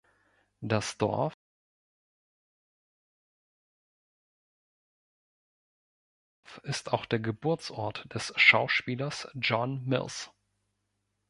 Das Dorf ist auch der Geburtsort des Schauspielers John Mills.